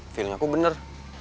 feeling aku bener